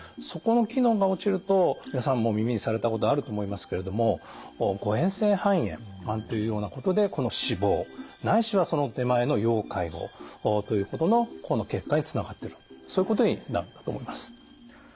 そこの機能が落ちると皆さんも耳にされたことあると思いますけれども誤えん性肺炎なんていうようなことでこの死亡ないしはその手前の要介護ということのこの結果につながってるそういうことになるんだと思います。